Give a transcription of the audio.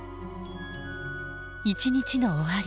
１日の終わり